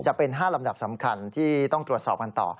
จะเป็น๕ลำดับสำคัญที่ต้องตรวจสอบกันต่อ